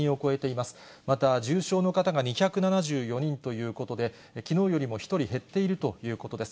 また重症の方が２７４人ということで、きのうよりも１人減っているということです。